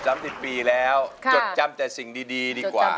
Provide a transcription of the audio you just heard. ป่าป่า๒๐๓๐ปีแล้วจดจำแต่สิ่งดีดีกว่า